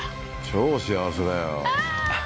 超幸せだよ